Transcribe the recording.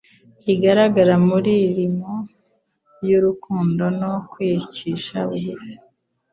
kigaragara mu mirimo y'urukundo no kwicisha bugufi?